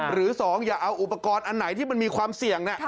หรือ๒อย่าเอาอุปกรณ์อันไหนที่มันมีความเสี่ยง